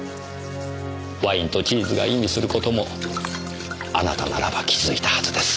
ワインとチーズが意味する事もあなたならば気付いたはずです。